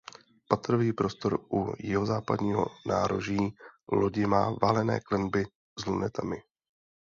Patrový prostor u jihozápadního nároží lodi má valené klenby s lunetami.